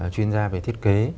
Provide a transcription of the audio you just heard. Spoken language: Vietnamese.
chuyên gia về thiết kế